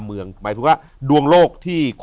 อยู่ที่แม่ศรีวิรัยิลครับ